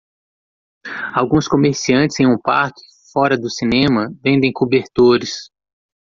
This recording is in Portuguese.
Alguns comerciantes em um parque fora do cinema vendem cobertores.